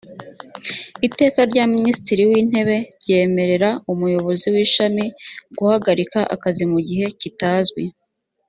iteka rya minisitiri w’ intebe ryemerera umuyobozi w’ ishami guhagarika akazi mu gihe kitazwi